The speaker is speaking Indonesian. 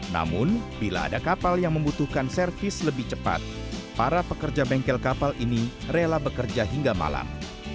namun bila ada kapal yang membutuhkan servis lebih cepat para pekerja bengkel kapal ini rela bekerja hingga malam